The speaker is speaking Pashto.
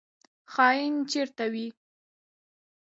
خاین چیرته وي؟